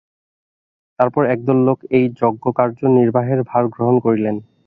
তারপর একদল লোক এই যজ্ঞকার্য নির্বাহের ভার গ্রহণ করিলেন।